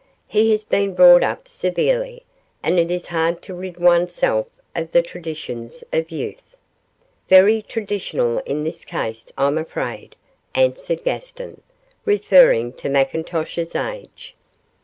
'He has been brought up severely, and it is hard to rid oneself of the traditions of youth.' 'Very traditional in this case, I'm afraid,' answered Gaston, referring to McIntosh's age.